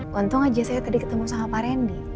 lontong aja saya tadi ketemu sama pak randy